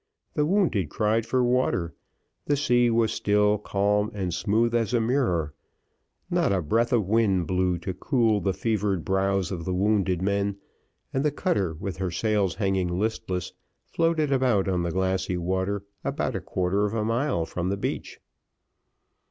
The wounded cried for water. The sea was still, calm, and smooth as a mirror; not a breath of wind blew to cool the fevered brows of the wounded men, and the cutter, with her sails hanging listless, floated about on the glassy water, about a quarter of a mile from the beach.